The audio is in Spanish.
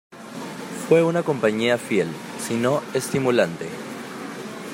Fue una compañía fiel, si no estimulante.